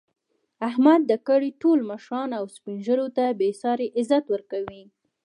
احمد د کلي ټولو مشرانو او سپین ږېرو ته بې ساري عزت ورکوي.